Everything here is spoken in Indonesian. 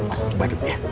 oh badut ya